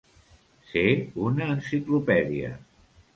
Ser una enciclopèdia.